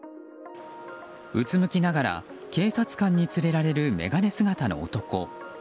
うつむきながら警察官につれられる眼鏡姿の男。